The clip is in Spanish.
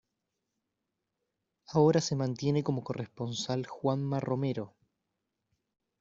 Ahora se mantiene como corresponsal Juanma Romero.